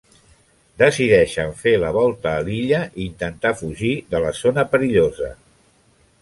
Decideixen fer la volta a l'illa i intentar fugir de la zona perillosa.